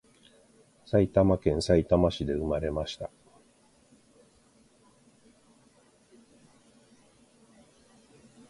埼玉県さいたま市で産まれました